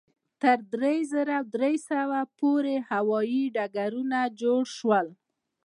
تر درې زره درې سوه پورې هوایي ډګرونه جوړ شول.